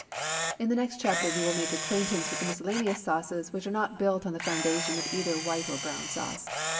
In the next chapter we will make acquaintance with the miscellaneous sauces which are not built on the foundation of either white or brown sauce.